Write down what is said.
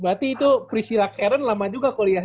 berarti itu priscilla karen lama juga kuliah ya